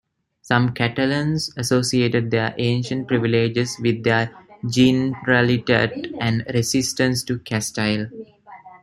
Some Catalans associated their ancient privileges with their Generalitat and resistance to Castile.